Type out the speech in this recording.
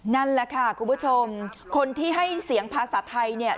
นั่นแหละค่ะคุณผู้ชมคนที่ให้เสียงภาษาไทยเนี่ย